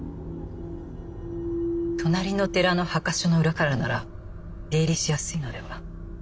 隣の寺の墓所の裏からなら出入りしやすいのでは？